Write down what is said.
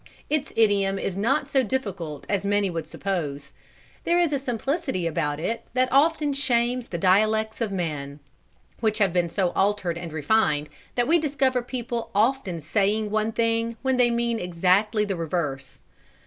Its idiom is not so difficult as many would suppose. There is a simplicity about it that often shames the dialects of man; which have been so altered and refined that we discover people often saying one thing when they mean exactly the reverse.